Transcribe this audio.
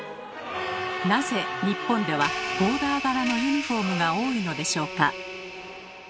なぜ日本ではボーダー柄のユニフォームが多いのでしょうか？